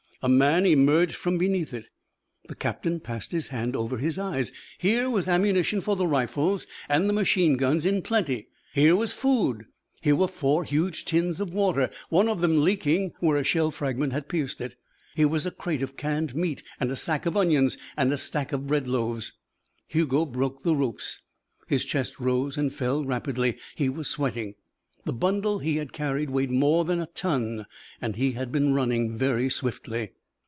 A man emerged from beneath it. The captain passed his hand over his eyes. Here was ammunition for the rifles and the machine guns in plenty. Here was food. Here were four huge tins of water, one of them leaking where a shell fragment had pierced it. Here was a crate of canned meat and a sack of onions and a stack of bread loaves. Hugo broke the ropes. His chest rose and fell rapidly. He was sweating. The bundle he had carried weighed more than a ton and he had been running very swiftly.